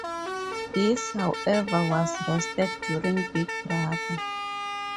This however was rested during "Big Brother".